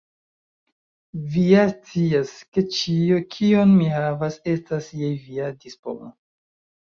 Vi ja scias, ke ĉio, kion mi havas, estas je via dispono.